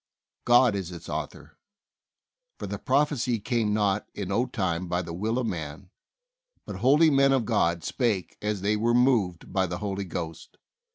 God is its author. "For the prophecy came not in old time by the will of man; but holy men of God spake as they were moved by the Holy Ghost."